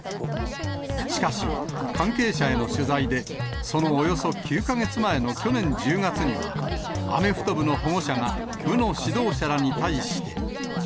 しかし、関係者への取材でそのおよそ９か月前の去年１０月には、アメフト部の保護者が部の指導者らに対して。